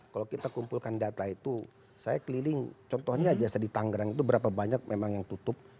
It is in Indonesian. kalau kita kumpulkan data itu saya keliling contohnya aja di tangerang itu berapa banyak memang yang tutup